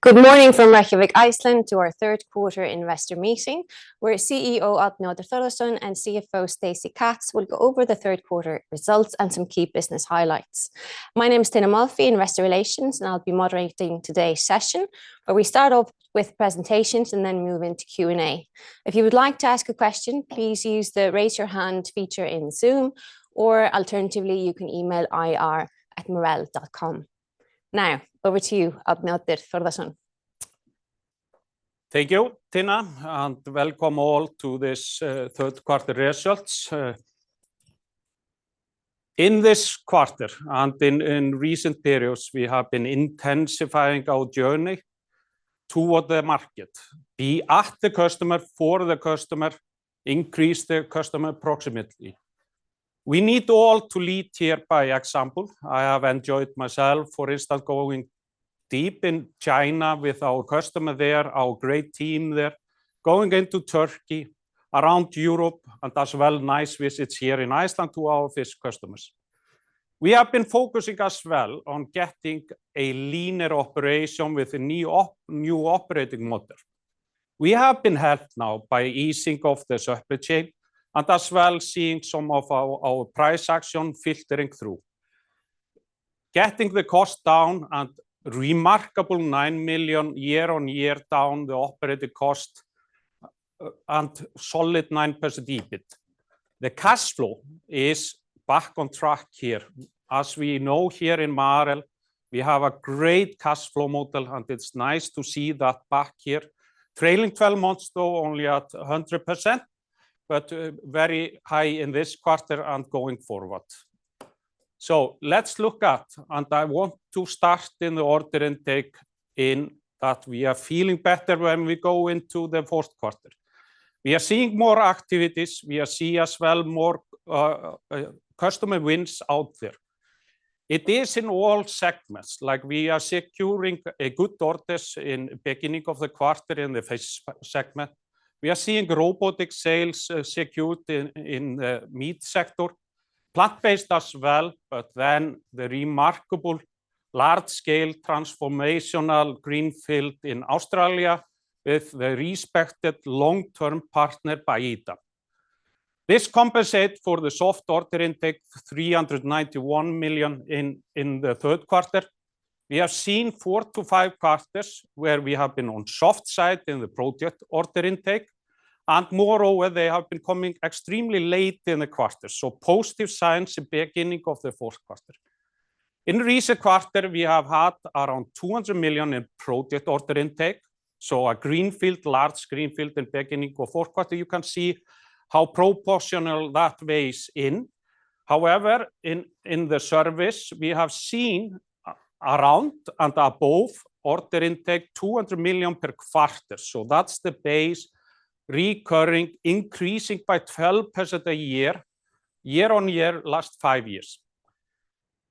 Good morning from Reykjavik, Iceland, to our Q3 investor meeting, where CEO Árni Oddur Thordarson and CFO Stacey Katz will go over the Q3 results and some key business highlights. My name is Tinna Molphy, Investor Relations, and I'll be moderating today's session, where we start off with presentations and then move into Q&A. If you would like to ask a question, please use the Raise Your Hand feature in Zoom, or alternatively, you can email ir@marel.com. Now, over to you, Árni Oddur Thordarson. Thank you, Tinna, and welcome all to this Q3 results. In this quarter, and in recent periods, we have been intensifying our journey toward the market, be at the customer, for the customer, increase the customer proximity. We need all to lead here by example. I have enjoyed myself, for instance, going deep in China with our customer there, our great team there. Going into Turkey, around Europe, and as well, nice visits here in Iceland to all of these customers. We have been focusing as well on getting a leaner operation with a new operating model. We have been helped now by easing of the supply chain, and as well, seeing some of our price action filtering through. Getting the cost down and remarkable 9 million year-on-year down the operating cost, and solid 9% EBIT. The cash flow is back on track here. As we know here in Marel, we have a great cash flow model, and it's nice to see that back here. Trailing twelve months, though, only at 100%, but very high in this quarter and going forward. So let's look at, and I want to start in the order intake, in that we are feeling better when we go into the Q4. We are seeing more activities. We are seeing as well more customer wins out there. It is in all segments, like we are securing a good orders in beginning of the quarter in the fish segment. We are seeing robotic sales secured in the meat sector. Plant-based as well, but then the remarkable large-scale transformational greenfield in Australia with the respected long-term partner, Baiada. This compensates for the soft order intake of 391 million in the Q3. We have seen four to five quarters where we have been on soft side in the project order intake, and moreover, they have been coming extremely late in the quarter. So positive signs in beginning of the Q4. In recent quarter, we have had around 200 million in project order intake, so a greenfield, large greenfield in beginning of Q4. You can see how proportional that weighs in. However, in the service, we have seen around and above order intake, 200 million per quarter. So that's the base, recurring, increasing by 12% a year, year-on-year, last five years.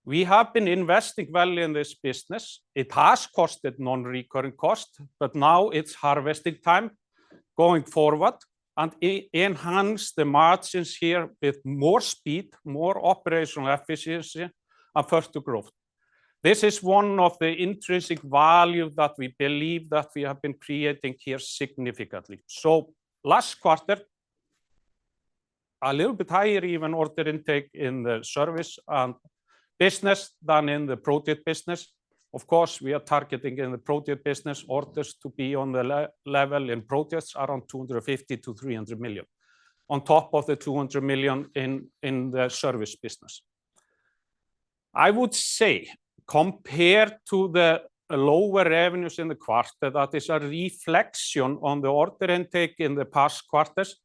We have been investing well in this business. It has costed non-recurring cost, but now it's harvesting time, going forward, and enhance the margins here with more speed, more operational efficiency, and further growth. This is one of the intrinsic value that we believe that we have been creating here significantly. So last quarter, a little bit higher even order intake in the service business than in the project business. Of course, we are targeting in the project business orders to be on the level in projects around 250 million to 300 million, on top of the 200 million in the service business. I would say, compared to the lower revenues in the quarter, that is a reflection on the order intake in the past quarters.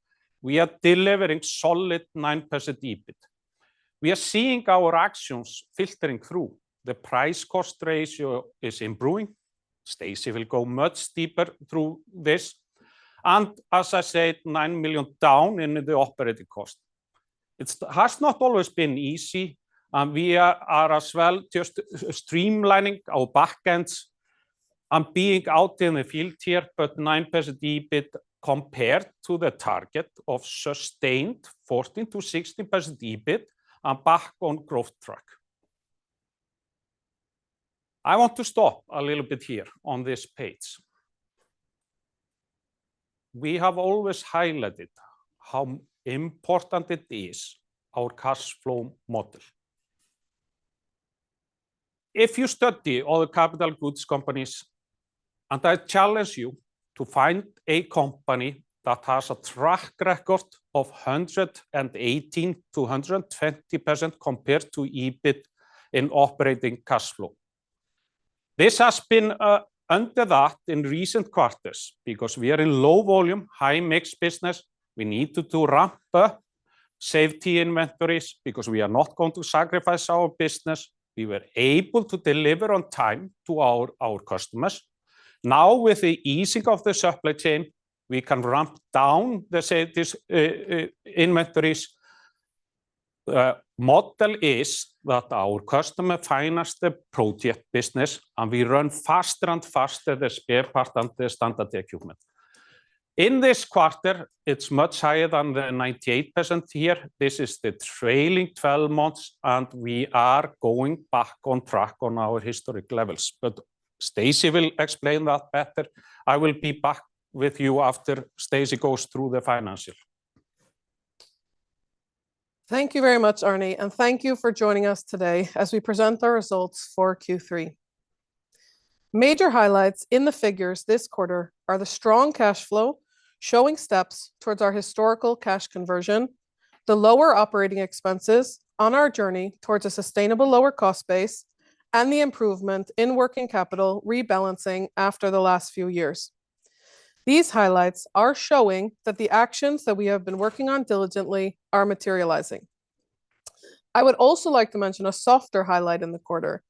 We are delivering solid 9% EBIT. We are seeing our actions filtering through. The price cost ratio is improving. Stacey will go much deeper through this, and as I said, 9 million down in the operating cost. It has not always been easy, and we are as well just streamlining our back ends and being out in the field here, but 9% EBIT compared to the target of sustained 14% to 16% EBIT and back on growth track. I want to stop a little bit here on this page. We have always highlighted how important it is, our cash flow model. If you study all the capital goods companies, and I challenge you to find a company that has a track record of 118% to 120% compared to EBIT in operating cash flow. This has been under that in recent quarters because we are in low volume, high mix business. We needed to ramp up safety inventories, because we are not going to sacrifice our business. We were able to deliver on time to our customers. Now, with the easing of the supply chain, we can ramp down the inventories. Model is that our customer finance the project business, and we run faster and faster, the spare part and the standard equipment. In this quarter, it's much higher than the 98% here. This is the trailing 12 months, and we are going back on track on our historic levels, but Stacey will explain that better. I will be back with you after Stacey goes through the financials. Thank you very much, Árni, and thank you for joining us today as we present the results for Q3. Major highlights in the figures this quarter are the strong cash flow, showing steps towards our historical cash conversion, the lower operating expenses on our journey towards a sustainable lower cost base, and the improvement in working capital rebalancing after the last few years. These highlights are showing that the actions that we have been working on diligently are materializing. I would also like to mention a softer highlight in the quarter.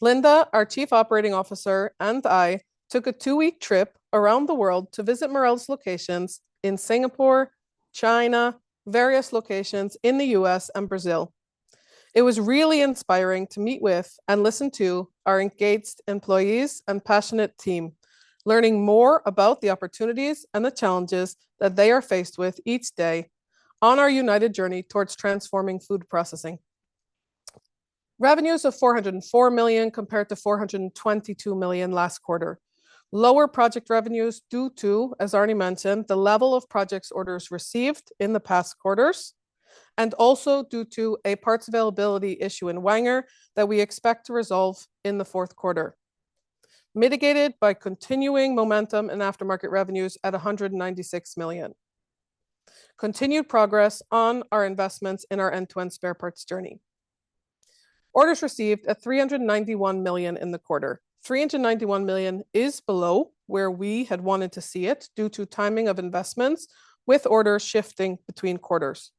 Linda, our Chief Operating Officer, and I took a two-week trip around the world to visit Marel's locations in Singapore, China, various locations in the US, and Brazil. It was really inspiring to meet with and listen to our engaged employees and passionate team, leÁrning more about the opportunities and the challenges that they are faced with each day on our united journey towards transforming food processing. Revenues of 404 million, compared to 422 million last quarter. Lower project revenues due to, as Árni mentioned, the level of projects orders received in the past quarters, and also due to a parts availability issue in Wenger that we expect to resolve in the Q4, mitigated by continuing momentum in aftermarket revenues at 196 million. Continued progress on our investments in our end-to-end spare parts journey. Orders received at 391 million in the quarter. 391 million is below where we had wanted to see it, due to timing of investments, with orders shifting between quarters.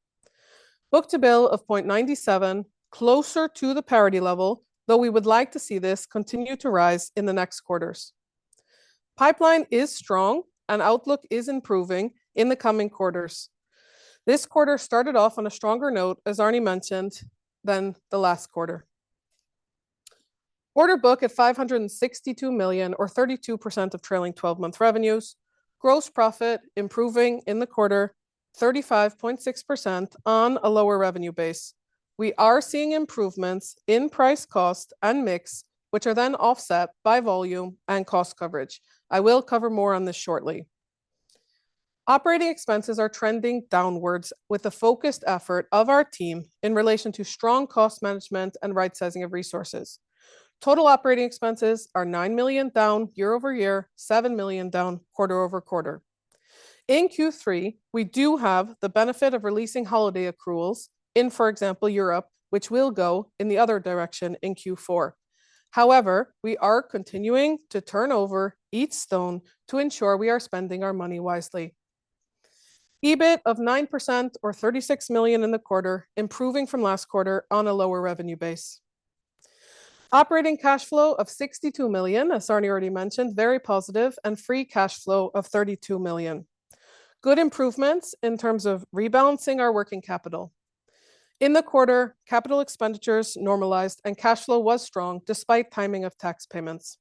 Book-to-bill of 0.97, closer to the parity level, though we would like to see this continue to rise in the next quarters. Pipeline is strong and outlook is improving in the coming quarters. This quarter started off on a stronger note, as Árni mentioned, than the last quarter. Order book at 562 million, or 32% of trailing twelve-month revenues. Gross profit improving in the quarter, 35.6% on a lower revenue base. We are seeing improvements in price, cost, and mix, which are then offset by volume and cost coverage. I will cover more on this shortly. Operating expenses are trending downwards with the focused effort of our team in relation to strong cost management and right sizing of resources. Total operating expenses are 9 million down year-over-year, 7 million down quarter-over-quarter. In Q3, we do have the benefit of releasing holiday accruals in, for example, Europe, which will go in the other direction in Q4. However, we are continuing to turn over each stone to ensure we are spending our money wisely. EBIT of 9% or 36 million in the quarter, improving from last quarter on a lower revenue base. Operating cash flow of 62 million, as Árni already mentioned, very positive, and free cash flow of 32 million. Good improvements in terms of rebalancing our working capital. In the quarter, capital expenditures normalized and cash flow was strong, despite timing of tax payments.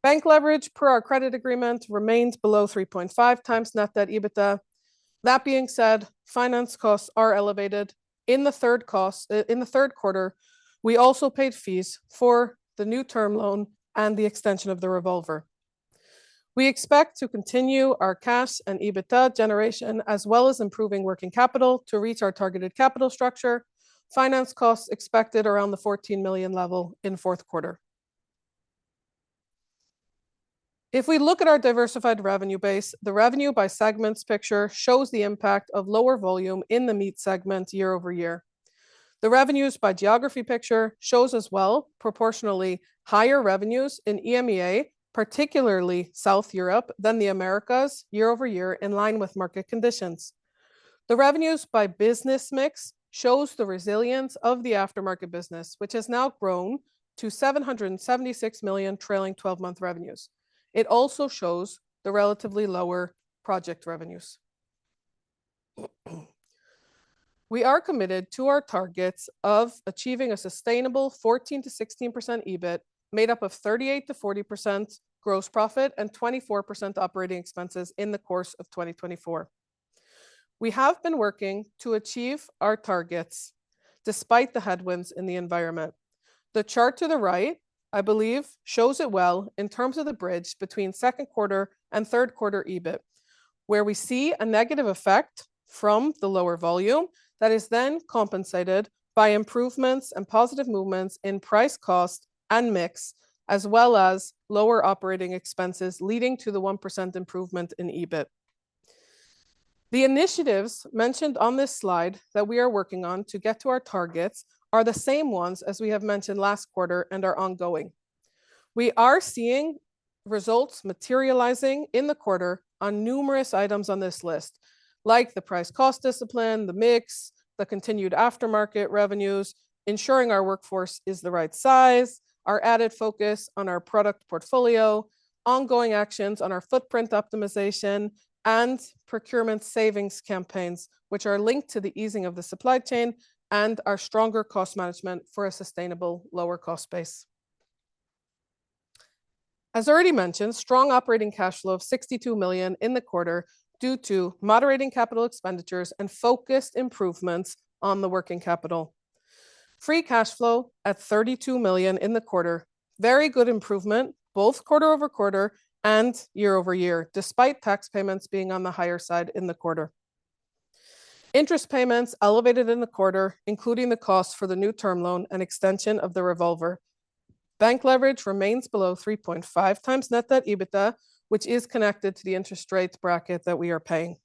Bank leverage per our credit agreement remains below 3.5x Net Debt/EBITDA. That being said, finance costs are elevated. In the Q3, we also paid fees for the new term loan and the extension of the revolver. We expect to continue our cash and EBITDA generation, as well as improving working capital, to reach our targeted capital structure. Finance costs expected around the 14 million level in Q4. If we look at our diversified revenue base, the revenue by segments picture shows the impact of lower volume in the meat segment year-over-year. The revenues by geography picture shows as well, proportionally higher revenues in EMEA, particularly South Europe, than the Americas year-over-year, in line with market conditions. The revenues by business mix shows the resilience of the aftermarket business, which has now grown to 776 million trailing twelve-month revenues. It also shows the relatively lower project revenues. We are committed to our targets of achieving a sustainable 14% to 16% EBIT, made up of 38% to 40% gross profit and 24% operating expenses in the course of 2024. We have been working to achieve our targets, despite the headwinds in the environment. The chart to the right, I believe, shows it well in terms of the bridge between Q2 and Q3 EBIT, where we see a negative effect from the lower volume that is then compensated by improvements and positive movements in price, cost, and mix, as well as lower operating expenses, leading to the 1% improvement in EBIT. The initiatives mentioned on this slide that we are working on to get to our targets are the same ones as we have mentioned last quarter and are ongoing. We are seeing results materializing in the quarter on numerous items on this list, like the price cost discipline, the mix, the continued aftermarket revenues, ensuring our workforce is the right size, our added focus on our product portfolio, ongoing actions on our footprint optimization, and procurement savings campaigns, which are linked to the easing of the supply chain and our stronger cost management for a sustainable lower cost base. As already mentioned, strong operating cash flow of 62 million in the quarter due to moderating capital expenditures and focused improvements on the working capital. Free cash flow at 32 million in the quarter. Very good improvement, both quarter-over-quarter and year-over-year, despite tax payments being on the higher side in the quarter. Interest payments elevated in the quarter, including the cost for the new term loan and extension of the revolver. Bank leverage remains below 3.5x net debt to EBITDA, which is connected to the interest rates bracket that we are paying.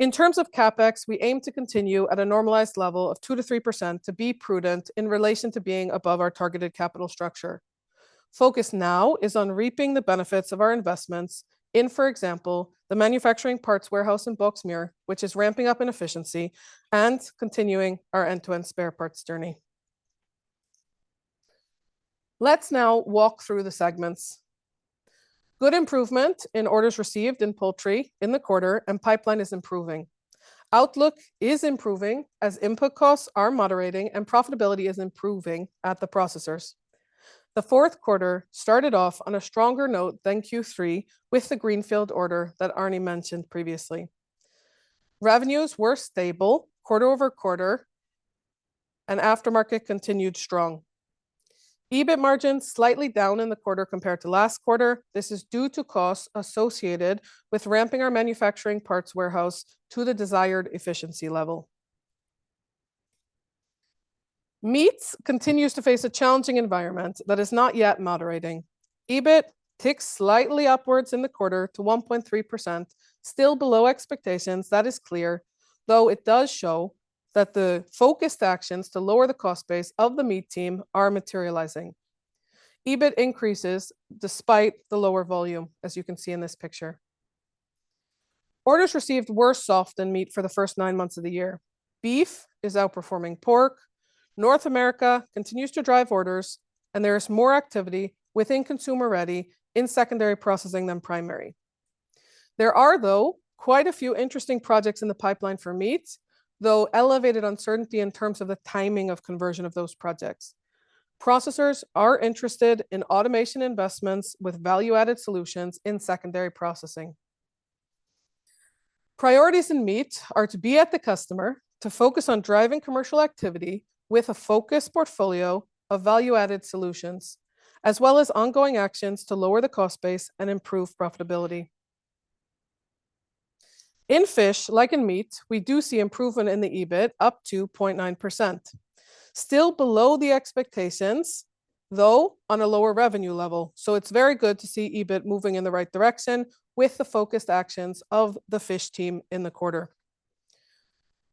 In terms of CapEx, we aim to continue at a normalized level of 2% to 3% to be prudent in relation to being above our targeted capital structure. Focus now is on reaping the benefits of our investments in, for example, the manufacturing parts warehouse in Boxmeer, which is ramping up in efficiency and continuing our end-to-end spare parts journey. Let's now walk through the segments. Good improvement in orders received in poultry in the quarter, and pipeline is improving. Outlook is improving as input costs are moderating and profitability is improving at the processors. The Q4 started off on a stronger note than Q3, with the greenfield order that Árni mentioned previously. Revenues were stable quarter-over-quarter, and aftermarket continued strong. EBIT margins slightly down in the quarter compared to last quarter. This is due to costs associated with ramping our manufacturing parts warehouse to the desired efficiency level. Meats continues to face a challenging environment that is not yet moderating. EBIT ticks slightly upwards in the quarter to 1.3%, still below expectations, that is clear, though it does show that the focused actions to lower the cost base of the Meat team are materializing. EBIT increases despite the lower volume, as you can see in this picture. Orders received were soft in meat for the first nine months of the year. Beef is outperforming pork. North America continues to drive orders, and there is more activity within consumer-ready in secondary processing than primary. There are, though, quite a few interesting projects in the pipeline for meats, though elevated uncertainty in terms of the timing of conversion of those projects. Processors are interested in automation investments with value-added solutions in secondary processing. Priorities in meat are to be at the customer, to focus on driving commercial activity with a focused portfolio of value-added solutions, as well as ongoing actions to lower the cost base and improve profitability. In fish, like in meat, we do see improvement in the EBIT up to 0.9%. Still below the expectations, though, on a lower revenue level. So it's very good to see EBIT moving in the right direction with the focused actions of the Fish team in the quarter.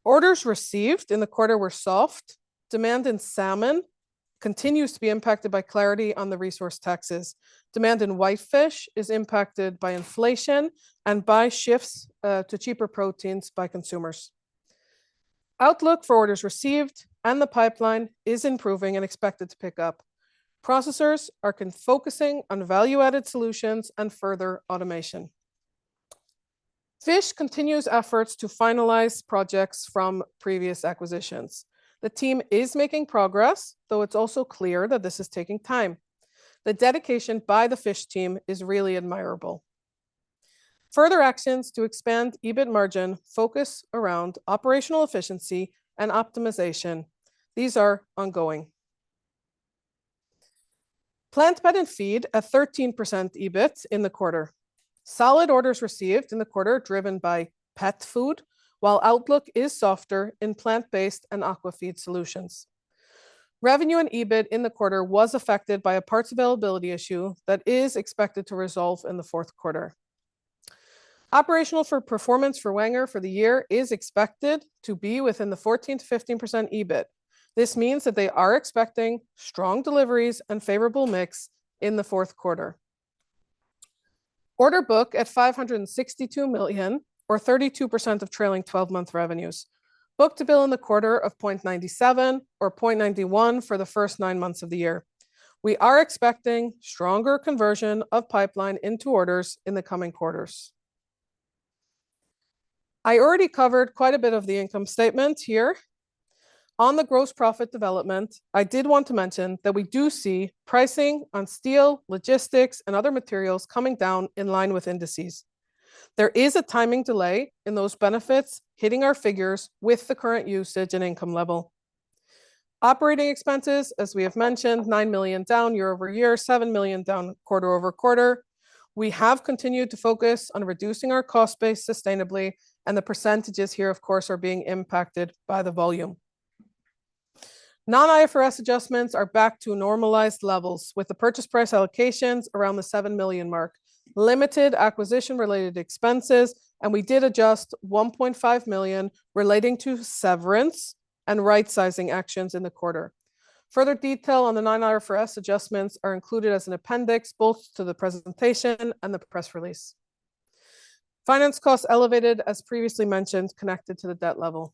Orders received in the quarter were soft. Demand in salmon continues to be impacted by clarity on the resource taxes. Demand in whitefish is impacted by inflation and by shifts to cheaper proteins by consumers. Outlook for orders received and the pipeline is improving and expected to pick up. Processors are focusing on value-added solutions and further automation. Fish continues efforts to finalize projects from previous acquisitions. The team is making progress, though it's also clear that this is taking time. The dedication by the Fish team is really admirable. Further actions to expand EBIT margin focus around operational efficiency and optimization. These are ongoing. Plant, Pet, and Feed at 13% EBIT in the quarter. Solid orders received in the quarter, driven by pet food, while outlook is softer in plant-based and aqua feed solutions. Revenue and EBIT in the quarter was affected by a parts availability issue that is expected to resolve in the Q4. Operational for performance for Wenger for the year is expected to be within the 14% to 15% EBIT. This means that they are expecting strong deliveries and favorable mix in the Q4. Order book at 562 million or 32% of trailing 12 month revenues. Book-to-bill in the quarter of 0.97 or 0.91 for the first nine months of the year. We are expecting stronger conversion of pipeline into orders in the coming quarters. I already covered quite a bit of the income statement here. On the gross profit development, I did want to mention that we do see pricing on steel, logistics, and other materials coming down in line with indices. There is a timing delay in those benefits, hitting our figures with the current usage and income level. Operating expenses, as we have mentioned, 9 million down year-over-year, 7 million down quarter-over-quarter. We have continued to focus on reducing our cost base sustainably, and the percentages here, of course, are being impacted by the volume. Non-IFRS adjustments are back to normalized levels, with the purchase price allocations around the 7 million mark, limited acquisition-related expenses, and we did adjust 1.5 million relating to severance and right-sizing actions in the quarter. Further detail on the non-IFRS adjustments are included as an appendix, both to the presentation and the press release. Finance costs elevated, as previously mentioned, connected to the debt level.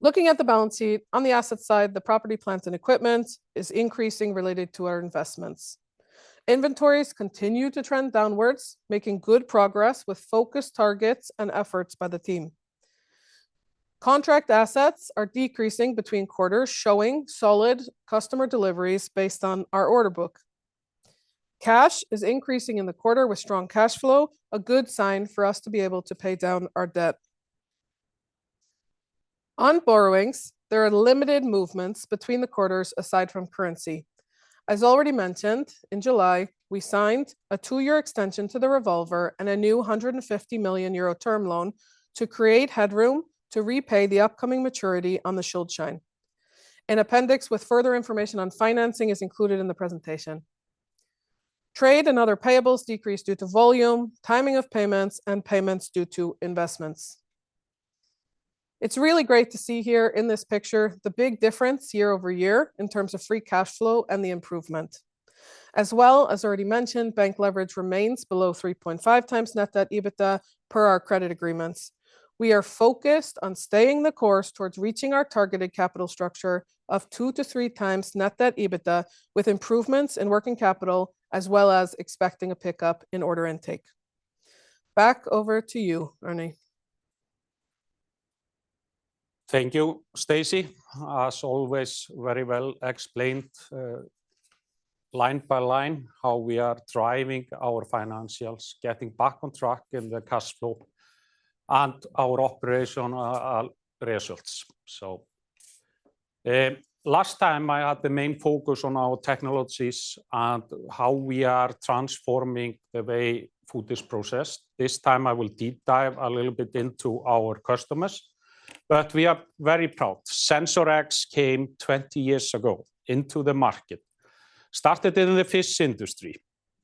Looking at the balance sheet, on the asset side, the property, plant, and equipment is increasing related to our investments. Inventories continue to trend downwards, making good progress with focused targets and efforts by the team. Contract assets are decreasing between quarters, showing solid customer deliveries based on our order book. Cash is increasing in the quarter with strong cash flow, a good sign for us to be able to pay down our debt. On borrowings, there are limited movements between the quarters aside from currency. As already mentioned, in July, we signed a two-year extension to the revolver and a new 150 million euro term loan to create headroom to repay the upcoming maturity on the Schuldschein. An appendix with further information on financing is included in the presentation. Trade and other payables decreased due to volume, timing of payments, and payments due to investments. It's really great to see here in this picture the big difference year-over-year in terms of free cash flow and the improvement. As well, as already mentioned, bank leverage remains below 3.5x net debt EBITDA per our credit agreements. We are focused on staying the course towards reaching our targeted capital structure of 2x to 3x net debt EBITDA, with improvements in working capital, as well as expecting a pickup in order intake. Back over to you, Árni. Thank you, Stacey. As always, very well explained, line by line, how we are driving our financials, getting back on track in the cash flow and our operational, results. So, last time, I had the main focus on our technologies and how we are transforming the way food is processed. This time I will deep dive a little bit into our customers, but we are very proud. SensorX came 20 years ago into the market, started in the fish industry.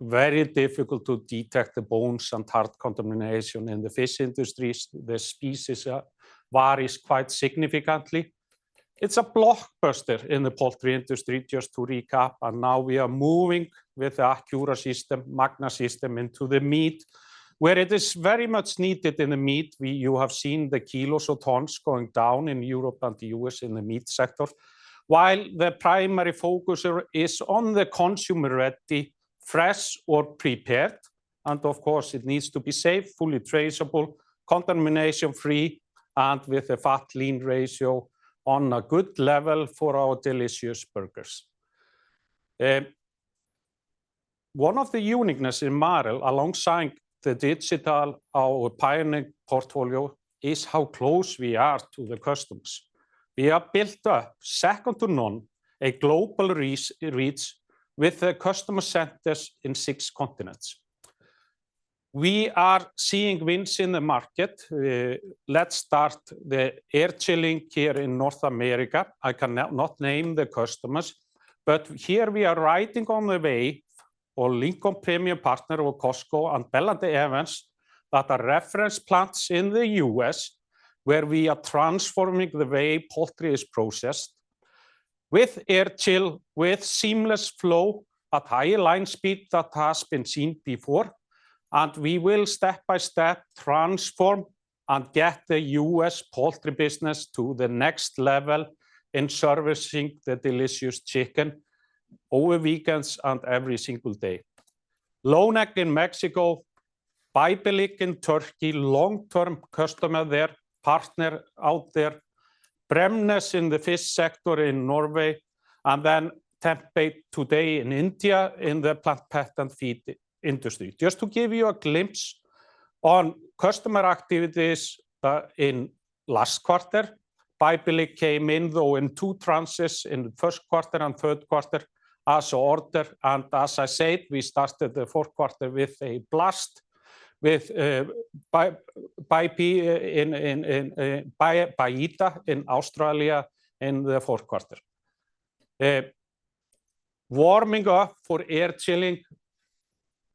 Very difficult to detect the bones and hard contamination in the fish industries. The species varies quite significantly. It's a blockbuster in the poultry industry, just to recap, and now we are moving with our Accura system, Magna system, into the meat, where it is very much needed in the meat. You have seen the kilos or tons going down in Europe and the U.S. in the meat sector, while the primary focus is on the consumer-ready, fresh or prepared, and of course, it needs to be safe, fully traceable, contamination-free, and with a fat-lean ratio on a good level for our delicious burgers. One of the uniqueness in Marel, alongside the digital, our pioneering portfolio, is how close we are to the customers. We have built up, second to none, a global reach with the customer centers in six continents. We are seeing wins in the market. Let's start the air chilling here in North America. I cannot name the customers, but here we are riding on the wave of Lincoln Premium Poultry or Costco and Bell and Evans, that are reference plants in the U.S., where we are transforming the way poultry is processed. With air chill, with seamless flow at higher line speed than has been seen before, and we will step by step transform and get the U.S. poultry business to the next level in servicing the delicious chicken over weekends and every single day. Lonac in Mexico, Ayvalık in Turkey, long-term customer there, partner out there. Bremnes in the fish sector in Norway, and then Tempe today in India, in the pet and feed industry. Just to give you a glimpse on customer activities, in last quarter, Ayvalık came in, though, in two tranches, in Q1 and Q3, as ordered. As I said, we started the Q4 with a blast, with Baiada in Australia, in the Q4. Warming up for air chilling,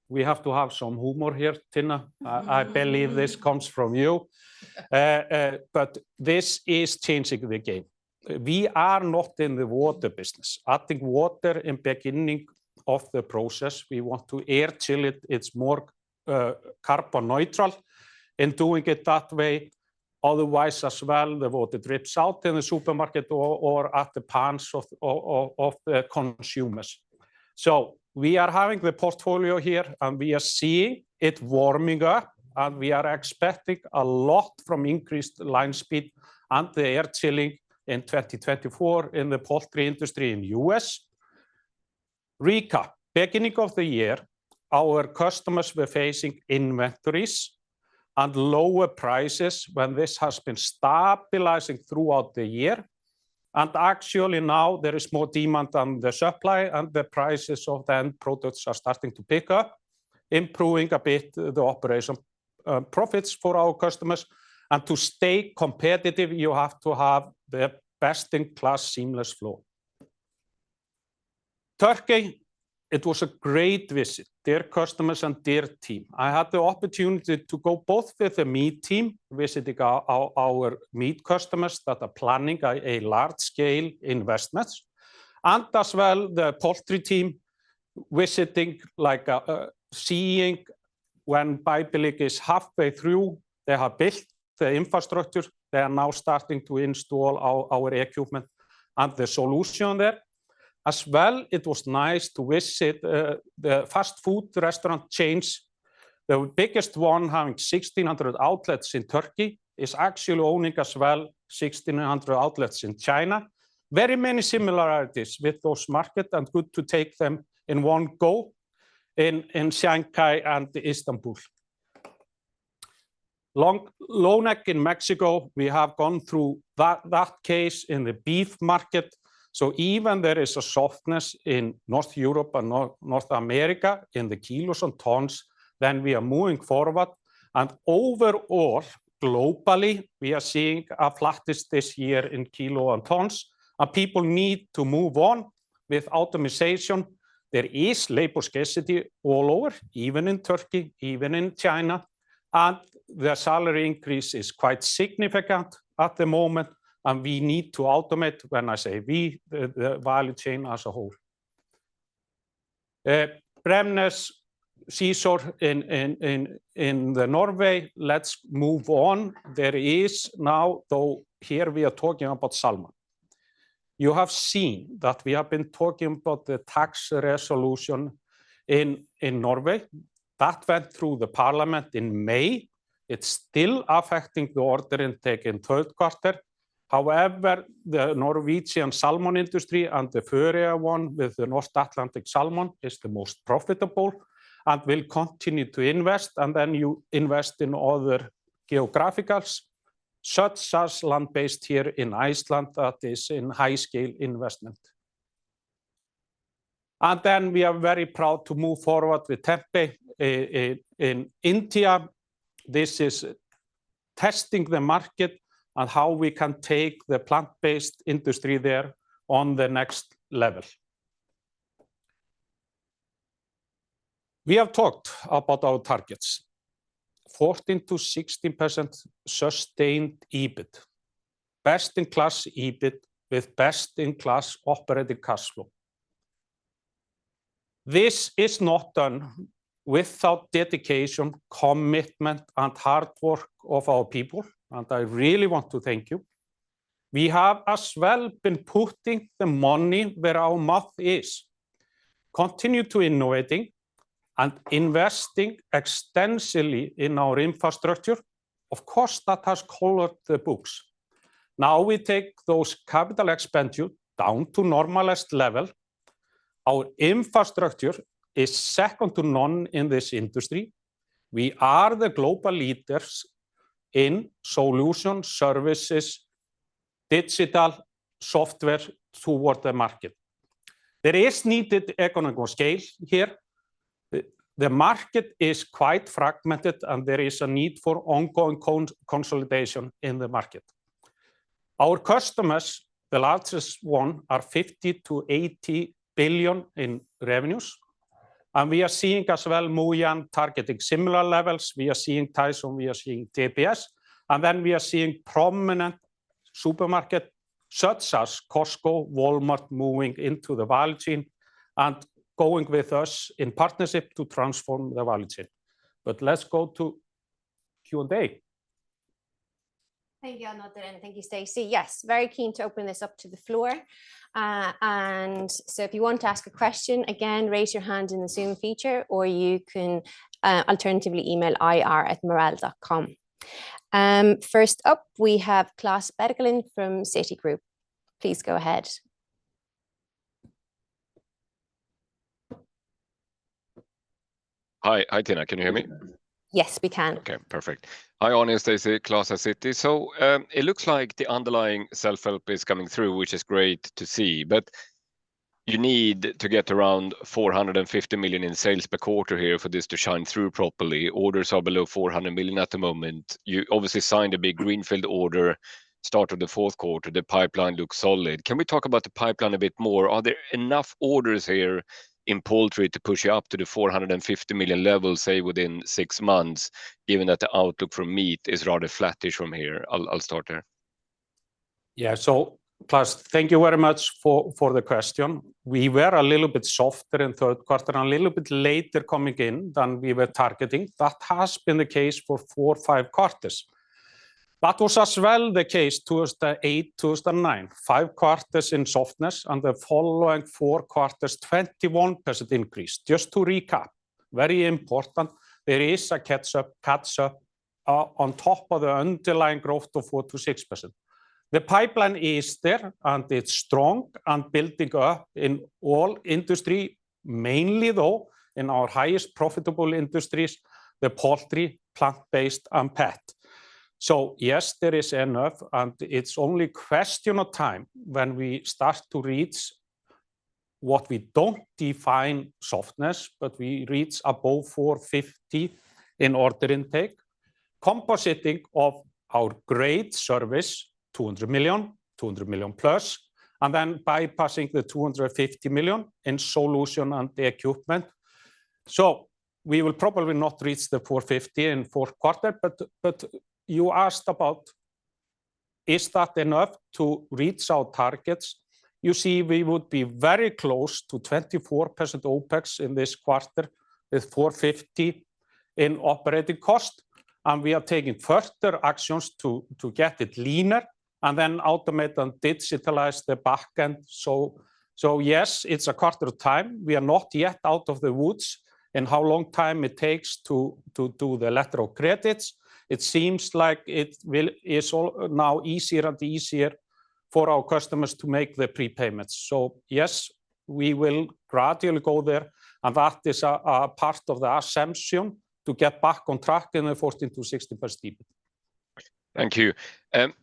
we have to have some humor here, Tinna. I believe this comes from you. But this is changing the game. We are not in the water business. Adding water in beginning of the process, we want to air chill it. It's more carbon neutral in doing it that way. Otherwise, as well, the water drips out in the supermarket or at the pans of the consumers. So we are having the portfolio here, and we are seeing it warming up, and we are expecting a lot from increased line speed and the air chilling in 2024 in the poultry industry in U.S. Recap. Beginning of the year, our customers were facing inventories and lower prices, when this has been stabilizing throughout the year. And actually, now there is more demand than the supply, and the prices of the end products are starting to pick up, improving a bit the operation profits for our customers. And to stay competitive, you have to have the best-in-class seamless flow. Turkey, it was a great visit, dear customers and dear team. I had the opportunity to go both with the Meat team, visiting our meat customers that are planning a large-scale investments, and as well, the Poultry team, visiting, like, seeing when Ayvalık is halfway through. They have built the infrastructure. They are now starting to install our equipment and the solution there. As well, it was nice to visit the fast food restaurant chains. The biggest one, having 1,600 outlets in Turkey, is actually owning as well 1,600 outlets in China. Very many similarities with those market, and good to take them in one go in, in Shanghai and Istanbul. Lonac in Mexico, we have gone through that, that case in the beef market. So even there is a softness in North Europe and North America in the kilos and tons, then we are moving forward. Overall, globally, we are seeing a flatness this year in kilo and tons, and people need to move on with automation. There is labor scarcity all over, even in Turkey, even in China, and the salary increase is quite significant at the moment, and we need to automate. When I say we, the, the value chain as a whole. Bremnes Seashore in, in, in, in Norway, let's move on. There is now... Though here we are talking about salmon. You have seen that we have been talking about the tax resolution in, in Norway. That went through the parliament in May. It's still affecting the order intake in Q3. However, the Norwegian salmon industry and the Faroe Islands one with the North Atlantic salmon is the most profitable and will continue to invest, and then you invest in other geographies, such as land-based here in Iceland, that is in large-scale investment. And then we are very proud to move forward with Tempe in India. This is testing the market and how we can take the plant-based industry there on the next level. We have talked about our targets, 14% to 16% sustained EBIT. Best-in-class EBIT, with best-in-class operating cash flow. This is not done without dedication, commitment, and hard work of our people, and I really want to thank you. We have as well been putting the money where our mouth is, continue to innovating and investing extensively in our infrastructure. Of course, that has colored the books. Now, we take those capital expenditure down to normalized level. Our infrastructure is second to none in this industry. We are the global leaders in solution, services, digital software toward the market. There is needed economical scale here. The market is quite fragmented, and there is a need for ongoing consolidation in the market. Our customers, the largest one, are 50 billion to 80 billion in revenues, and we are seeing as well Muyuan targeting similar levels. We are seeing Tyson, we are seeing TPS, and then we are seeing prominent supermarket, such as Costco, Walmart, moving into the value chain and going with us in partnership to transform the value chain. But let's go to Q&A. Thank you, Árni, and thank you, Stacey. Yes, very keen to open this up to the floor. And so if you want to ask a question, again, raise your hand in the Zoom feature, or you can, alternatively, email ir@marel.com. First up, we have Claes Berglund from Citigroup. Please go ahead. Hi. Hi, Tinna, can you hear me? Yes, we can. Okay, perfect. Hi, Árni and Stacey, Claes at Citi. So, it looks like the underlying self-help is coming through, which is great to see, but you need to get around 450 million in sales per quarter here for this to shine through properly. Orders are below 400 million at the moment. You obviously signed a big greenfield order, start of the Q4. The pipeline looks solid. Can we talk about the pipeline a bit more? Are there enough orders here in poultry to push you up to the 450 million level, say, within six months, given that the outlook for meat is rather flattish from here? I'll start there. Yeah. So Claes, thank you very much for the question. We were a little bit softer in Q3 and a little bit later coming in than we were targeting. That has been the case for four to five quarters. That was as well the case, 2008, 2009. Five quarters in softness, and the following four quarters, 21% increase. Just to recap, very important, there is a catch up, catch up, on top of the underlying growth of 4% to 6%. The pipeline is there, and it's strong and building up in all industry, mainly though in our highest profitable industries, the poultry, plant-based, and pet. So yes, there is enough, and it's only question of time when we start to reach what we don't define softness, but we reach above 450 million in order intake, comprising of our great service, 200 million, 200 million plus, and then comprising the 250 million in solution and equipment. So we will probably not reach the 450 million in Q4, but, but you asked about, is that enough to reach our targets? You see, we would be very close to 24% OpEx in this quarter. It's 450 million in operating cost, and we are taking further actions to, to get it leaner and then automate and digitalize the back end. So, so yes, it's a question of time. We are not yet out of the woods in how long time it takes to, to do the lateral credits. It seems like it will. It's all now easier and easier for our customers to make the prepayments. So yes, we will gradually go there, and that is a part of the assumption to get back on track in the 14%-16%. Thank you.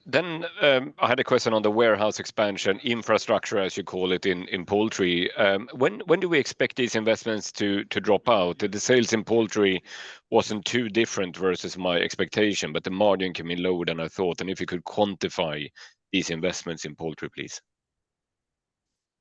Then, I had a question on the warehouse expansion, infrastructure, as you call it, in poultry. When do we expect these investments to drop out? The sales in poultry wasn't too different versus my expectation, but the margin came in lower than I thought, and if you could quantify these investments in poultry, please.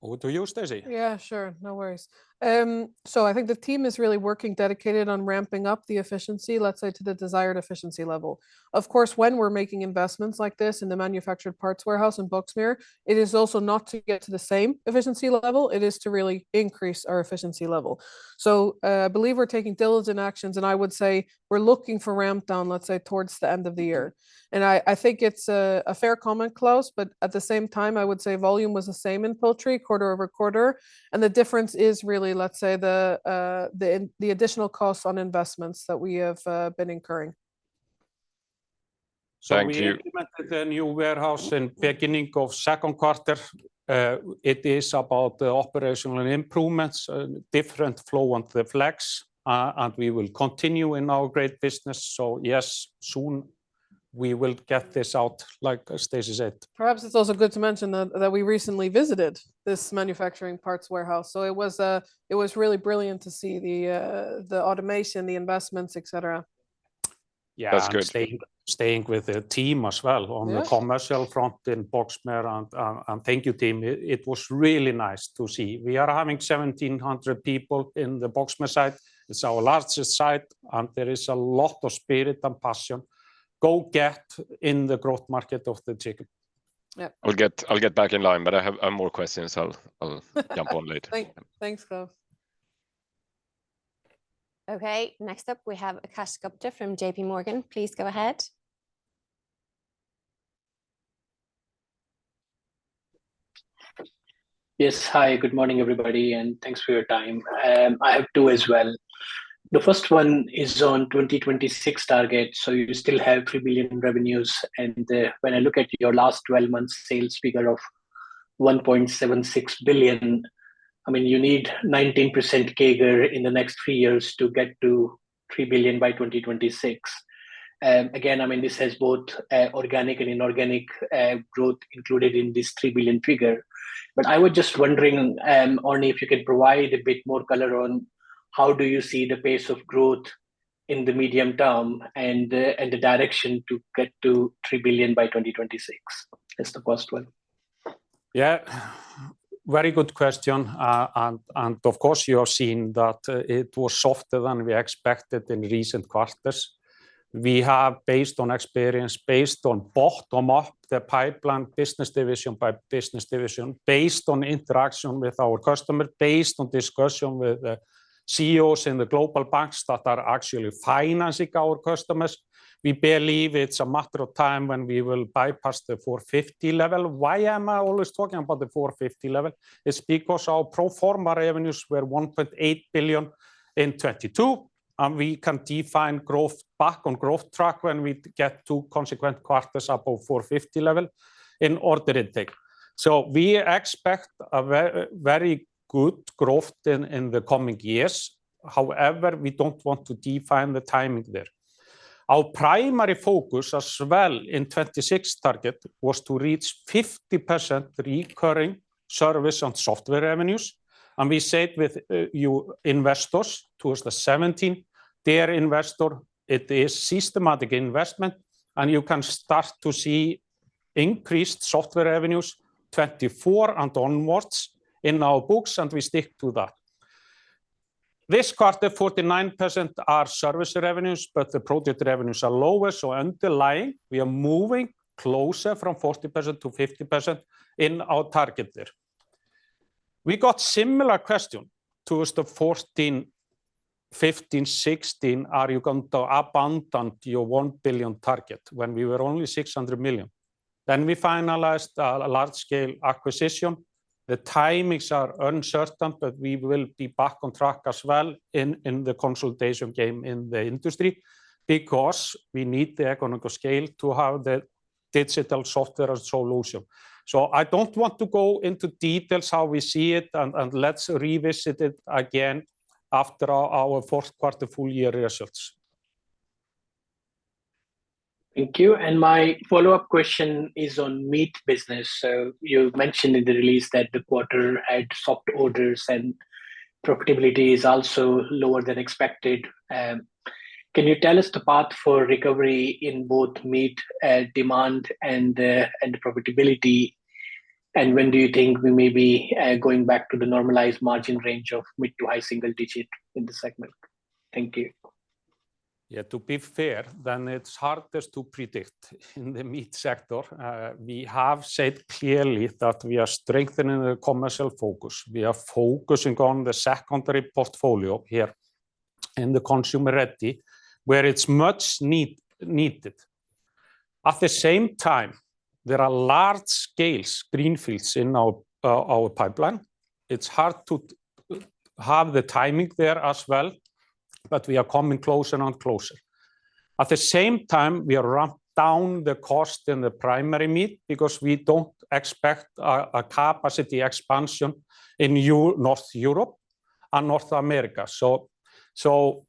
Over to you, Stacey. Yeah, sure. No worries. So I think the team is really working dedicated on ramping up the efficiency, let's say, to the desired efficiency level. Of course, when we're making investments like this in the manufactured parts warehouse in Boxmeer, it is also not to get to the same efficiency level, it is to really increase our efficiency level. So I believe we're taking diligent actions, and I would say we're looking for ramp down, let's say, towards the end of the year. And I think it's a fair comment, Claes, but at the same time, I would say volume was the same in poultry quarter over quarter, and the difference is really, let's say, the additional costs on investments that we have been incurring. Thank you. So we implemented the new warehouse in beginning of Q2. It is about the operational improvements, different flow on the flex, and we will continue in our great business. So yes, soon we will get this out, like Stacey said. Perhaps it's also good to mention that we recently visited this manufacturing parts warehouse, so it was really brilliant to see the automation, the investments, et cetera. That's good. Yeah, and staying with the team as well- Yeah On the commercial front in Boxmeer, and thank you, team. It was really nice to see. We are having 1,700 people in the Boxmeer site. It's our largest site, and there is a lot of spirit and passion. Go get in the growth market of the chicken. Yeah. I'll get back in line, but I have more questions. I'll jump on later. Thanks, Claes. Okay, next up, we have Akash Gupta from JPMorgan. Please go ahead. Yes, hi, good morning, everybody, and thanks for your time. I have two as well. The first one is on 2026 target, so you still have 3 billion in revenues, and when I look at your last twelve months sales figure of 1.76 billion, I mean, you need 19% CAGR in the next three years to get to 3 billion by 2026. Again, I mean, this has both organic and inorganic growth included in this 3 billion figure. But I was just wondering, Árni, if you can provide a bit more color on how you see the pace of growth in the medium term and the direction to get to 3 billion by 2026? That's the first one. Yeah, very good question. And, of course, you have seen that it was softer than we expected in recent quarters. We have, based on experience, based on bottom-up the pipeline business division by business division, based on interaction with our customer, based on discussion with the CEOs in the global banks that are actually financing our customers, we believe it's a matter of time when we will bypass the 450 level. Why am I always talking about the 450 level? It's because our pro forma revenues were 1.8 billion in 2022, and we can define growth back on growth track when we get two consequent quarters above 450 level in order intake. So we expect a very good growth in the coming years. However, we don't want to define the timing there. Our primary focus, as well, in 2026 target, was to reach 50% recurring service on software revenues, and we said with you investors, towards 2017, dear investor, it is systematic investment, and you can start to see increased software revenues 2024 and onwards in our books, and we stick to that. This quarter, 49% are service revenues, but the product revenues are lower, so underlying, we are moving closer from 40% to 50% in our target there. We got similar question towards the 2014, 2015, 2016, "Are you going to abandon your 1 billion target?" When we were only 600 million. Then we finalized a large-scale acquisition. The timings are uncertain, but we will be back on track as well in the consolidation game in the industry, because we need the economies of scale to have the digital software solution. I don't want to go into details how we see it, and let's revisit it again after our Q4 full year results. Thank you, and my follow-up question is on meat business. So you mentioned in the release that the quarter had soft orders and profitability is also lower than expected. Can you tell us the path for recovery in both meat demand and profitability? And when do you think we may be going back to the normalized margin range of mid- to high-single-digit in this segment? Thank you. ... Yeah, to be fair, then it's hardest to predict in the meat sector. We have said clearly that we are strengthening the commercial focus. We are focusing on the secondary portfolio here in the consumer ready, where it's much needed. At the same time, there are large-scale greenfields in our pipeline. It's hard to have the timing there as well, but we are coming closer and closer. At the same time, we are ramping down the cost in the primary meat because we don't expect a capacity expansion in EU North Europe and North America. So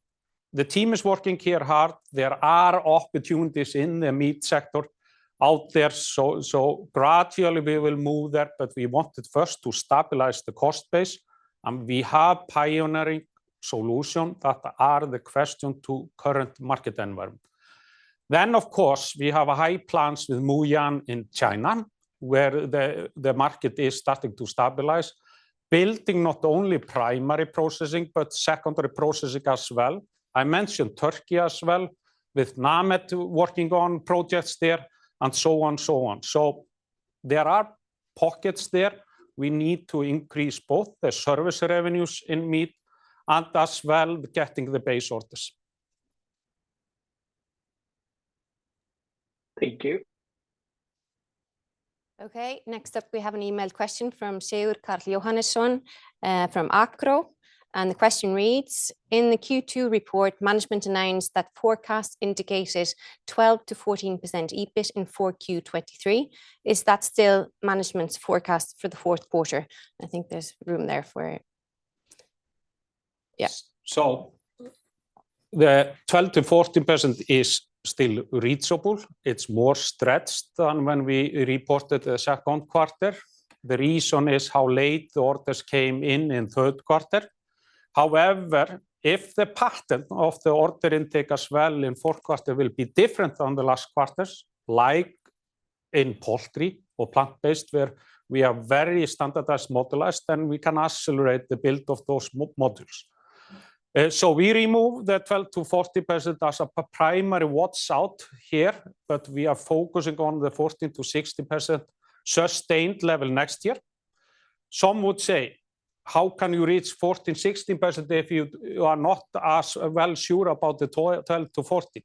the team is working here hard. There are opportunities in the meat sector out there, so gradually we will move that, but we wanted first to stabilize the cost base, and we have pioneering solutions that are the question to current market environment. Then, of course, we have a high plans with Muyuan in China, where the market is starting to stabilize, building not only primary processing but secondary processing as well. I mentioned Turkey as well, with Namet working on projects there, and so on and so on. So there are pockets there. We need to increase both the service revenues in meat and as well getting the base orders. Thank you. Okay, next up we have an email question from Sævar Karl Jóhannesson from Arion, and the question reads: In the Q2 report, management announced that forecast indicated 12% to 14% EBIT in Q4 2023. Is that still management's forecast for the Q4? I think there's room there for it. Yeah. So the 12% to 14% is still reachable. It's more stretched than when we reported the Q2. The reason is how late the orders came in in Q3. However, if the pattern of the order intake as well in Q4 will be different than the last quarters, like in poultry or plant-based, where we are very standardized, modularized, then we can accelerate the build of those modules. So we remove the 12% to 14% as a primary watch out here, but we are focusing on the 14% to 16% sustained level next year. Some would say, "How can you reach 14% to 16% if you, you are not as well sure about the 12% to 14%?"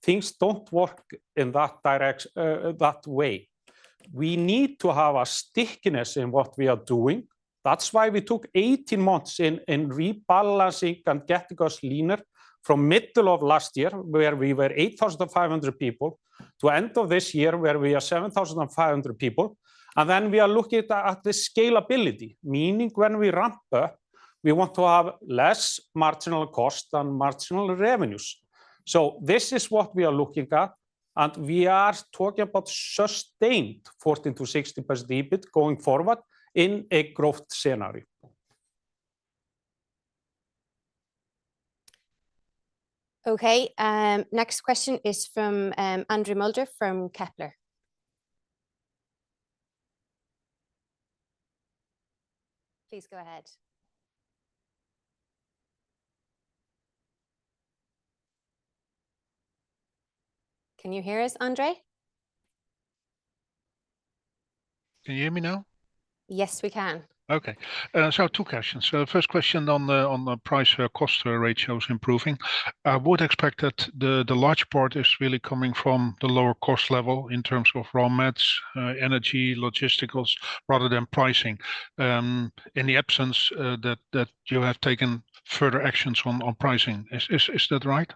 Things don't work in that direct that way. We need to have a stickiness in what we are doing. That's why we took 18 months in rebalancing and getting us leaner from middle of last year, where we were 8,500 people, to end of this year, where we are 7,500 people. And then we are looking at the scalability, meaning when we ramp up, we want to have less marginal cost than marginal revenues. So this is what we are looking at, and we are talking about sustained 14% to 16% EBIT going forward in a growth scenario. Okay, next question is from André Mulder from Kepler. Please go ahead. Can you hear us, André? Can you hear me now? Yes, we can. Okay. Two questions. First question on the price to cost ratio is improving. I would expect that the large part is really coming from the lower cost level in terms of raw mats, energy, logisticals, rather than pricing, in the absence that you have taken further actions on pricing. Is that right?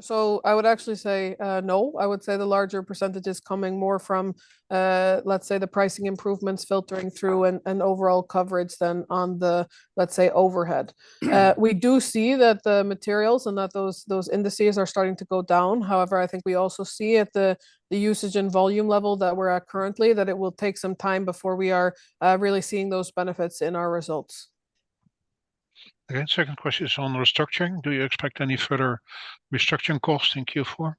So, I would actually say no. I would say the larger percentage is coming more from, let's say, the pricing improvements filtering through and overall coverage than on the, let's say, overhead. We do see that the materials and those indices are starting to go down. However, I think we also see at the usage and volume level that we're at currently that it will take some time before we are really seeing those benefits in our results. Okay, second question is on restructuring. Do you expect any further restructuring costs in Q4?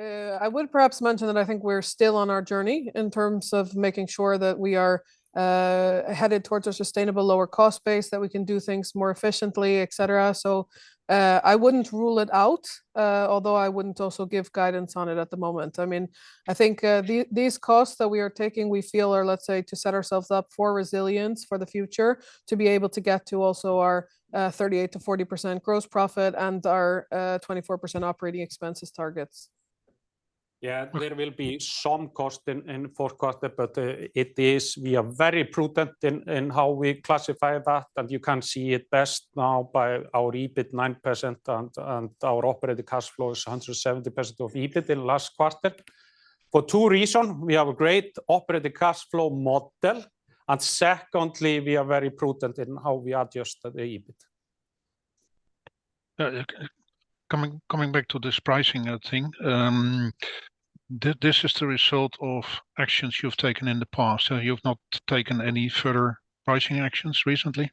I would perhaps mention that I think we're still on our journey in terms of making sure that we are headed towards a sustainable lower cost base, that we can do things more efficiently, et cetera. So, I wouldn't rule it out, although I wouldn't also give guidance on it at the moment. I mean, I think these, these costs that we are taking, we feel are, let's say, to set ourselves up for resilience for the future, to be able to get to also our 38% to 40% gross profit and our 24% operating expenses targets. Yeah. Okay. There will be some cost in Q4, but it is. We are very prudent in how we classify that, and you can see it best now by our EBIT 9% and our operating cash flow is 170% of EBIT in last quarter. For two reasons, we have a great operating cash flow model, and secondly, we are very prudent in how we adjust the EBIT. Coming back to this pricing thing, this is the result of actions you've taken in the past, so you've not taken any further pricing actions recently?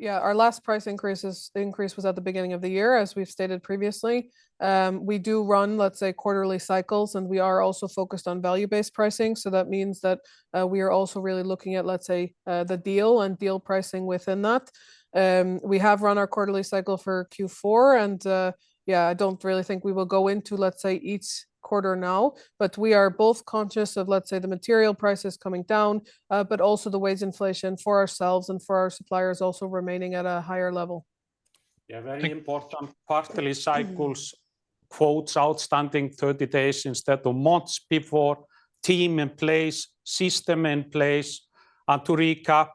Yeah, our last price increase is, the increase was at the beginning of the year, as we've stated previously. We do run, let's say, quarterly cycles, and we are also focused on value-based pricing, so that means that we are also really looking at, let's say, the deal and deal pricing within that. We have run our quarterly cycle for Q4, and yeah, I don't really think we will go into, let's say, each quarter now. But we are both conscious of, let's say, the material prices coming down, but also the wage inflation for ourselves and for our suppliers also remaining at a higher level. Yeah, very important. Quarterly cycles, quotes outstanding 30 days instead of months before, team in place, system in place. And to recap,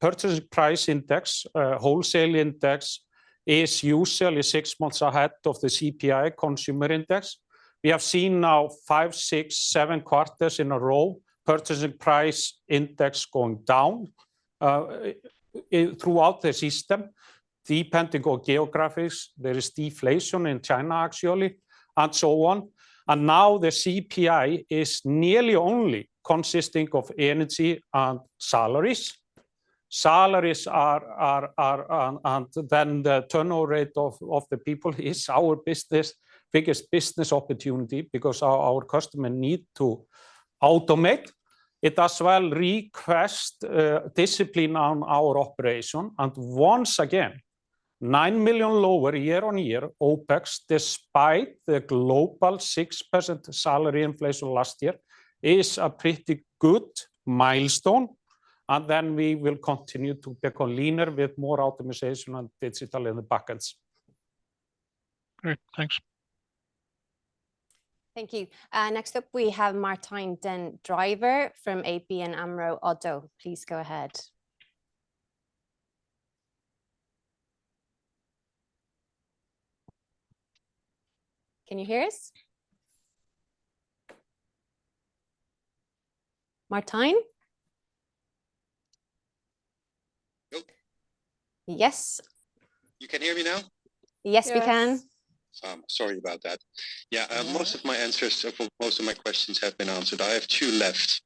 purchase price index, wholesale index is usually 6six months ahead of the CPI consumer index. We have seen now five, six, seven quarters in a row, purchasing price index going down throughout the system, depending on geographies. There is deflation in China, actually, and so on. And now the CPI is nearly only consisting of energy and salaries. Salaries are, are, are, and then the turnover rate of, of the people is our business biggest business opportunity because our, our customer need to automate. It as well request discipline on our operation. And once again, 9 million lower year-on-year OpEx, despite the global 6% salary inflation last year, is a pretty good milestone, and then we will continue to become leaner with more optimization on digital in the backends. Great, thanks. Thank you. Next up, we have Martijn den Drijver from ABN AMRO Oddo. Please go ahead. Can you hear us? Martijn? Yep. Yes. You can hear me now? Yes, we can. Yes. Sorry about that. Most of my answers, or most of my questions have been answered. I have two left.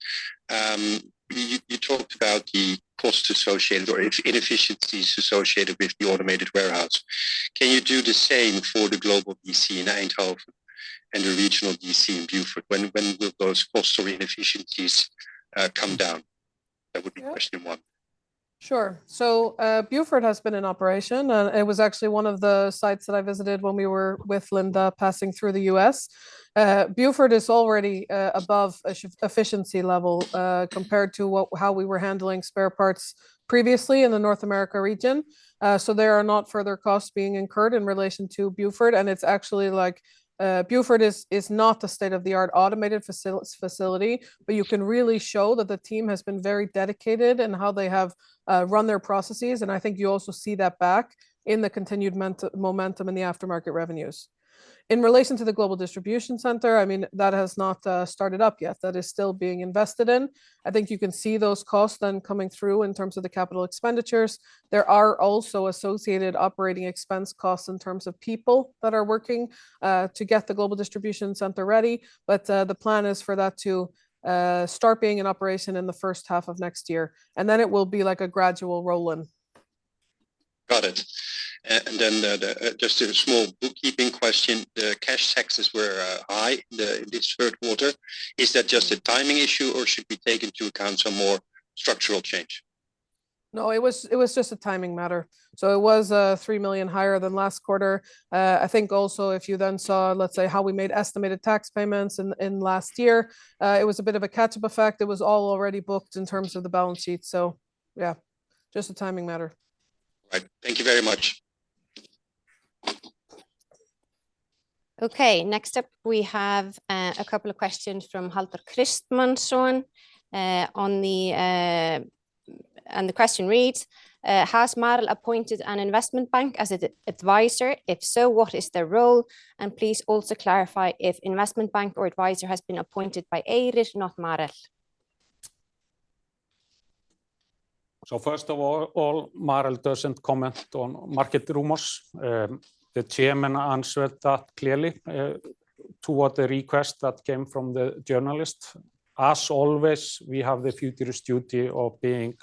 You talked about the costs associated or inefficiencies associated with the automated warehouse. Can you do the same for the global DC in Eindhoven and the regional DC in Beaufort? When will those cost or inefficiencies come down? That would be question one. Sure. So, Beaufort has been in operation, and it was actually one of the sites that I visited when we were with Linda passing through the U.S. Beaufort is already above efficiency level compared to how we were handling spare parts previously in the North America region. So there are not further costs being incurred in relation to Beaufort, and it's actually like, Beaufort is not a state-of-the-art automated facility, but you can really show that the team has been very dedicated in how they have run their processes, and I think you also see that back in the continued momentum in the aftermarket revenues. In relation to the global distribution center, I mean, that has not started up yet. That is still being invested in. I think you can see those costs then coming through in terms of the capital expenditures. There are also associated operating expense costs in terms of people that are working to get the global distribution center ready. But the plan is for that to start being in operation in the first half of next year, and then it will be like a gradual roll-in. Got it. And then, just a small bookkeeping question: the cash taxes were high this Q3. Is that just a timing issue, or should we take into account some more structural change? No, it was just a timing matter. So it was 3 million higher than last quarter. I think also if you then saw, let's say, how we made estimated tax payments in last year, it was a bit of a catch-up effect. It was all already booked in terms of the balance sheet, so yeah, just a timing matter. All right. Thank you very much. Okay, next up, we have a couple of questions from Haldor Kristjansson on the, and the question reads: "Has Marel appointed an investment bank as an advisor? If so, what is their role? And please also clarify if investment bank or advisor has been appointed by Eyrir, not Marel. So first of all, Marel doesn't comment on market rumors. The chairman answered that clearly toward the request that came from the journalist. As always, we have the fiduciary duty of being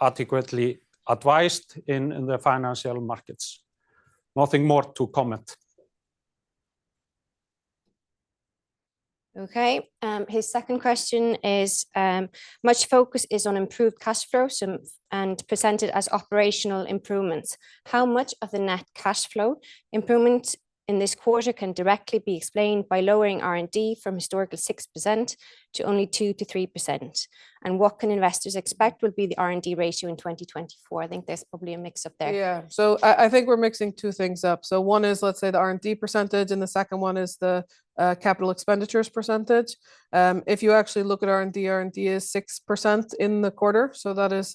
adequately advised in the financial markets. Nothing more to comment. His second question is: Much focus is on improved cash flow, so, and presented as operational improvements. How much of the net cash flow improvement in this quarter can directly be explained by lowering R&D from historically 6% to only 2% to 3%? And what can investors expect will be the R&D ratio in 2024? I think there's probably a mix-up there. Yeah, so I think we're mixing two things up. So one is, let's say, the R&D percentage, and the second one is the capital expenditures percentage. If you actually look at R&D, R&D is 6% in the quarter, so that is,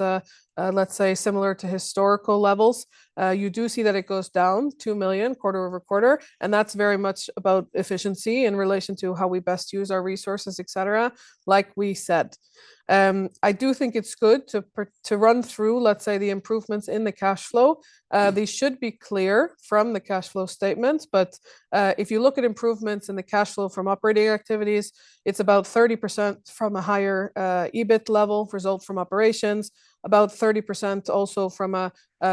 let's say, similar to historical levels. You do see that it goes down 2 million quarter-over-quarter, and that's very much about efficiency in relation to how we best use our resources, et cetera, like we said. I do think it's good to run through, let's say, the improvements in the cash flow. These should be clear from the cash flow statements, but if you look at improvements in the cash flow from operating activities, it's about 30% from a higher EBIT level result from operations, about 30% also from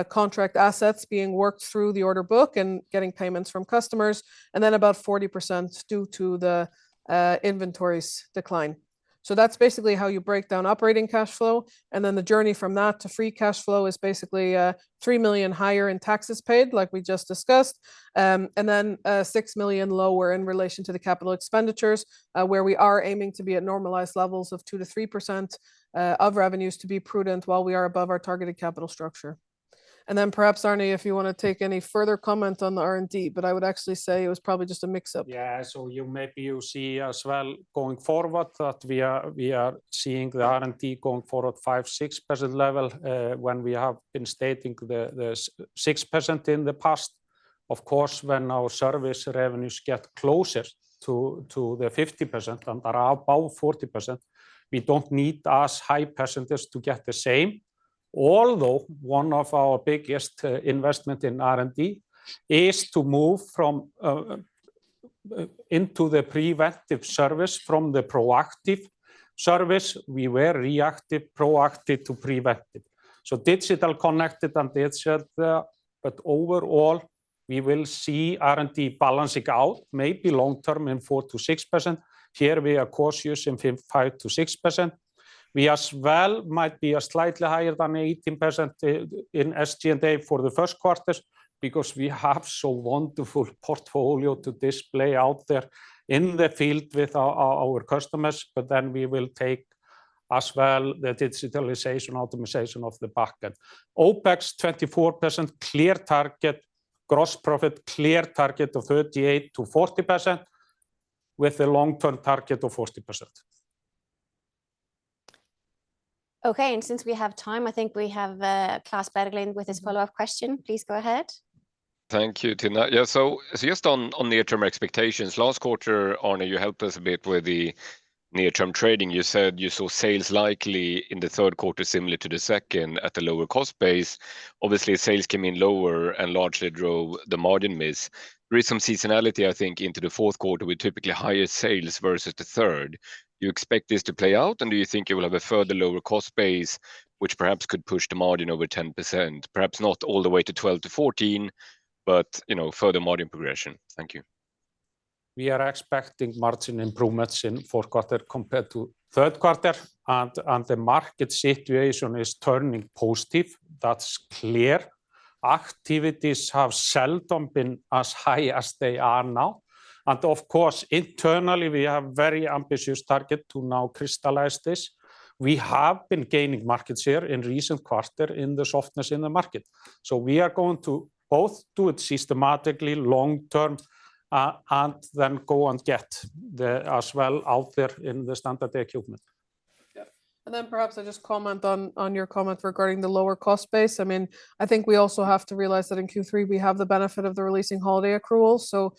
contract assets being worked through the order book and getting payments from customers, and then about 40% due to the inventories decline. So that's basically how you break down operating cash flow, and then the journey from that to free cash flow is basically 3 million higher in taxes paid, like we just discussed. And then 6 million lower in relation to the capital expenditures, where we are aiming to be at normalized levels of 2% to 3% of revenues to be prudent while we are above our targeted capital structure. Then perhaps, Árni, if you wanna take any further comment on the R&D, but I would actually say it was probably just a mix-up. Yeah, so you maybe see as well going forward that we are seeing the R&D going forward 5% to 6% level, when we have been stating the 6% in the past. Of course, when our service revenues get closer to 50% and are above 40%, we don't need as high percentages to get the same. Although, one of our biggest investment in R&D is to move from into the preventive service from the proactive service. We were reactive, proactive to preventive. So digital, connected, and digital, but overall, we will see R&D balancing out, maybe long term in 4% to 6%. Here we are cautious in 5% to 6%. We as well might be slightly higher than 18% in SG&A for the Q1 because we have so wonderful portfolio to display out there in the field with our customers, but then we will take as well the digitalization, optimization of the backend. OpEx, 24%, clear target. Gross profit, clear target of 38% to 40%, with a long-term target of 40%. Okay, and since we have time, I think we have, Claes Berglund with his follow-up question. Please go ahead. Thank you, Tinna. Yeah, so just on near-term expectations, last quarter, Árni, you helped us a bit with the near-term trading. You said you saw sales likely in the Q3, similar to the second, at a lower cost base. Obviously, sales came in lower and largely drove the margin miss. There is some seasonality, I think, into the Q4, with typically higher sales versus the third. Do you expect this to play out, and do you think you will have a further lower cost base, which perhaps could push the margin over 10%? Perhaps not all the way to 12% to 14%, but, you know, further margin progression. Thank you. We are expecting margin improvements in Q4 compared to Q3, and the market situation is turning positive. That's clear. Activities have seldom been as high as they are now, and of course, internally, we have very ambitious target to now crystallize this. We have been gaining market share in recent quarter in the softness in the market, so we are going to both do it systematically, long term, and then go and get the, as well, out there in the standard equipment. Yeah. And then perhaps I just comment on your comment regarding the lower cost base. I mean, I think we also have to realize that in Q3, we have the benefit of the releasing holiday accrual. So,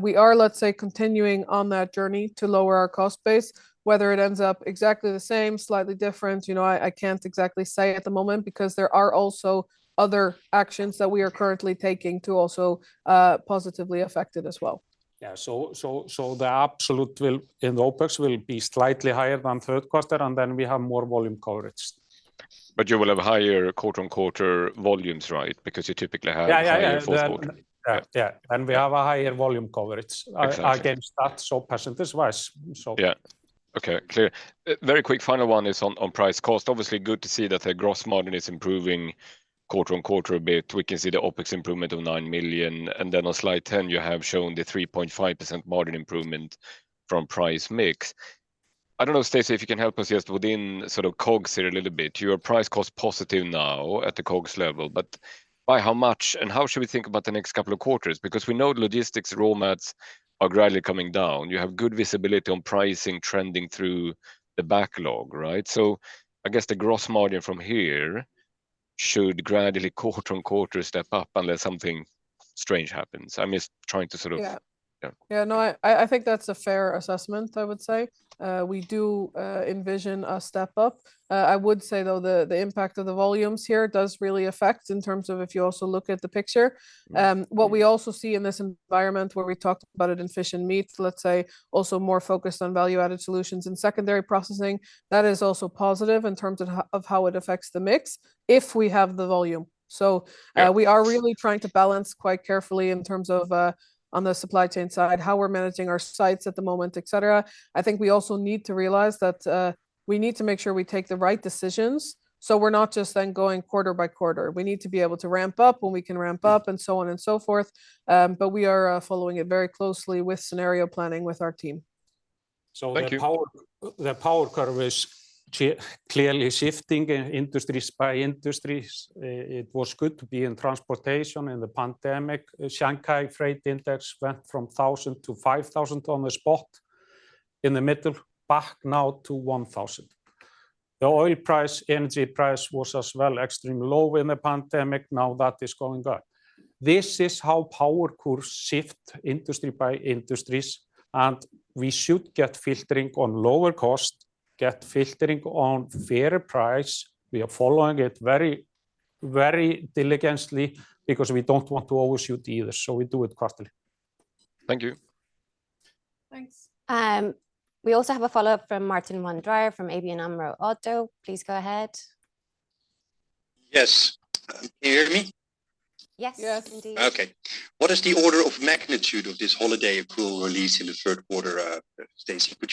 we are, let's say, continuing on that journey to lower our cost base. Whether it ends up exactly the same, slightly different, you know, I can't exactly say at the moment because there are also other actions that we are currently taking to also positively affect it as well. Yeah, so the absolute will, in OpEx, will be slightly higher than Q3, and then we have more volume coverage. But you will have higher quarter-on-quarter volumes, right? Because you typically have Yeah, yeah, yeah in the Q4. Right, yeah, and we have a higher volume coverage Exactly against that, so percentages wise, so. Yeah. Okay, clear. Very quick final one is on, on price cost. Obviously, good to see that the gross margin is improving quarter-on-quarter a bit. We can see the OpEx improvement of 9 million, and then on slide 10, you have shown the 3.5% margin improvement from price mix. I don't know, Stacey, if you can help us just within sort of COGS here a little bit. You are price, cost positive now at the COGS level, but by how much, and how should we think about the next couple of quarters? Because we know the logistics raw mats are gradually coming down. You have good visibility on pricing trending through the backlog, right? So I guess the gross margin from here should gradually, quarter-on-quarter, step up unless something strange happens. I'm just trying to sort of. Yeah Yeah. Yeah, no, I think that's a fair assessment, I would say. We do envision a step up. I would say, though, the impact of the volumes here does really affect in terms of if you also look at the picture. What we also see in this environment, where we talked about it in fish and meats, let's say, also more focused on value-added solutions and secondary processing, that is also positive in terms of how it affects the mix if we have the volume. So, Yeah. We are really trying to balance quite carefully in terms of, on the supply chain side, how we're managing our sites at the moment, et cetera. I think we also need to realize that, we need to make sure we take the right decisions, so we're not just then going quarter by quarter. We need to be able to ramp up when we can ramp up, and so on and so forth. But we are following it very closely with scenario planning with our team. Thank you. So the power, the power curve is clearly shifting in industries by industries. It was good to be in transportation in the pandemic. Shanghai Freight Index went from 1,000 to 5,000 on the spot in the middle, back now to 1,000. The oil price, energy price was as well extremely low in the pandemic. Now, that is going up. This is how power curves shift industry by industries, and we should get filtering on lower cost, get filtering on fair price. We are following it very, very diligently because we don't want to overshoot either, so we do it quarterly. Thank you. Thanks. We also have a follow-up from Martijn den Drijver from ABN AMRO Oddo. Please go ahead. Yes. Can you hear me? Yes. Yes, indeed. Okay. What is the order of magnitude of this holiday accrual release in the Q3, Stacey, could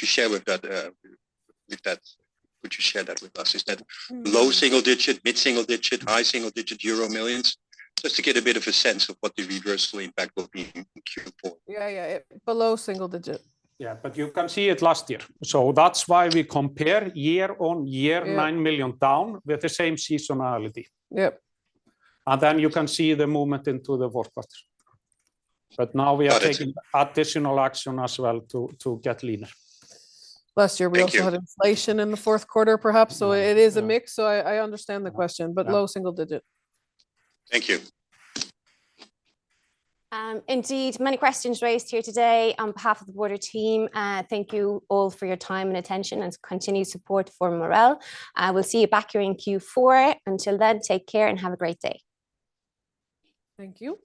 you share that with us? Is that- Mm low single-digit, mid single-digit, high single-digit euro millions? Just to get a bit of a sense of what the reversal impact will be in Q4. Yeah, yeah, below single digit. Yeah, but you can see it last year, so that's why we compare year-on-year- Yeah 9 million down with the same seasonality. Yep. You can see the movement into the Q4. Got it. But now we are taking additional action as well to get leaner. Last year, Thank you we also had inflation in the Q4, perhaps, so it is a mix. Yeah. So, I understand the question Yeah but low single digit. Thank you. Indeed, many questions raised here today. On behalf of the broader team, thank you all for your time and attention and continued support for Marel. We'll see you back here in Q4. Until then, take care and have a great day. Thank you.